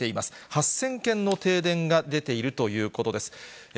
８０００軒の停電が出ているということです。